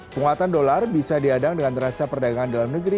penguatan dolar bisa diadang dengan neraca perdagangan dalam negeri